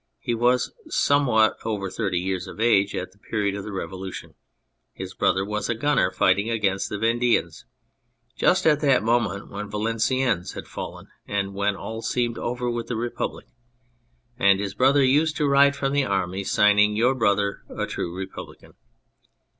He was somewhat over thirty years of age at the period of the Revolution. His brother was a gunner, fighting against the Vendeans, just at that moment when Valenciennes had fallen, and when all seemed over with the Republic ; and his brother used to write from the armies, signing " Your brother, a true Republican."